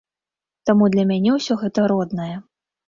Таму для мяне ўсё гэта роднае.